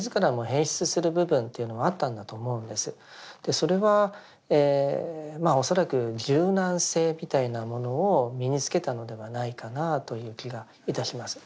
それはまあ恐らく柔軟性みたいなものを身につけたのではないかなという気がいたします。